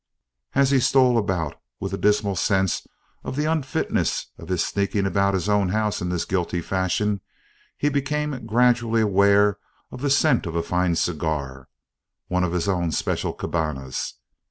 As he stole about, with a dismal sense of the unfitness of his sneaking about his own house in this guilty fashion, he became gradually aware of the scent of a fine cigar, one of his own special Cabañas.